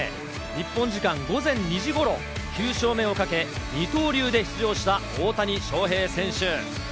日本時間午前２時ごろ、９勝目をかけ、二刀流で出場した大谷翔平選手。